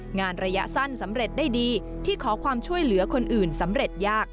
งานระยะสั้นสำเร็จได้ดีที่ขอความช่วยเหลือคนอื่นสำเร็จยาก